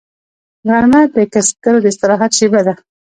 غرمه د کسبګرو د استراحت شیبه ده